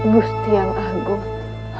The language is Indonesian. gusti yang agut